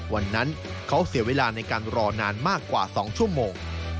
วันนั้นเขาเสียเวลาในการรอนานมากกว่า๒ชั่วโมง